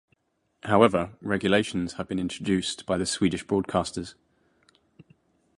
However, regulations have been introduced by the Swedish broadcasters.